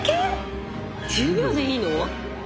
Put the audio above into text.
１０秒でいいの？